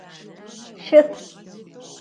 Şıs!